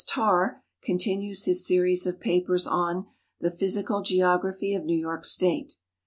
Tarr continues his series of papers on "The Physical Geography of New York State."